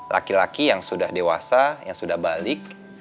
laki laki yang sudah dewasa yang sudah balik